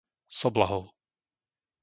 Soblahov